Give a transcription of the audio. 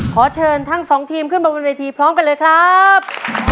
ขอเชิญทั้งสองทีมขึ้นมาบนเวทีพร้อมกันเลยครับ